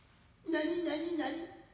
何何何。